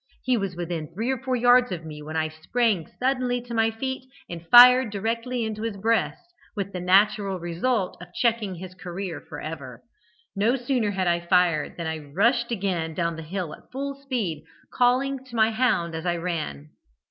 He was within three or four yards of me when I sprang suddenly to my feet, and fired directly into his breast, with the natural result of checking his career for ever. No sooner had I fired than I rushed again down the hill at full speed, calling to my hound as I ran.